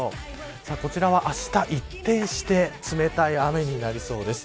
こちらは、あした一転して冷たい雨になりそうです。